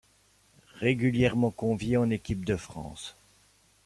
Régulièrement convié en Équipe de France.